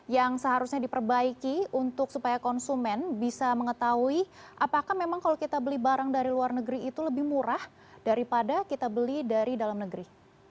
yang seharusnya diperbaiki untuk supaya konsumen bisa mengetahui apakah memang kalau kita beli barang dari luar negeri itu lebih murah daripada kita beli dari dalam negeri